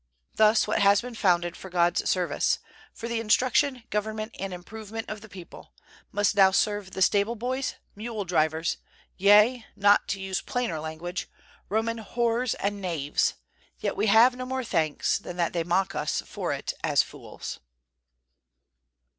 Thus what has been founded for God's service, for the instruction, government and improvement of the people, must now serve the stable boys, mule drivers, yea, not to use plainer language, Roman whores and knaves; yet we have no more thanks than that they mock us for it as fools.